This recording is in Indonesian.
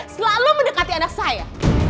selalu mendekati anak saya